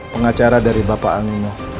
pengacara dari bapak animo